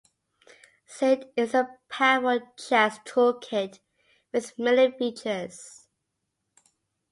Scid is a powerful Chess Toolkit with many features.